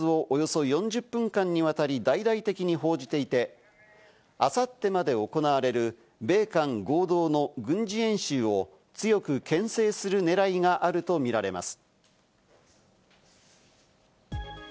国営メディアは視察をおよそ４０分間にわたって大々的に報じていて、あさってまで行われる米韓合同の軍事演習を強く、けん制する狙いがあると見られます。